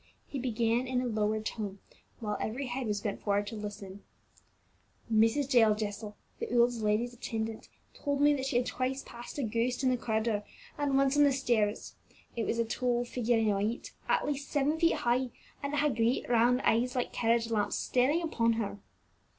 He began in a lowered tone, while every head was bent forward to listen: "Mrs. Jael Jessel, the old lady's attendant, told me that she had twice passed a ghost in the corridor, and once on the stairs. It was a tall figure in white, at least seven feet high, and it had great round eyes like carriage lamps staring upon her."